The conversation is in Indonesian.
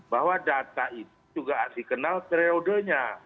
bahwa data itu juga harus dikenal kreodenya